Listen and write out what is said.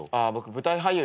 舞台俳優？